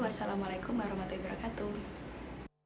wassalamualaikum warahmatullahi wabarakatuh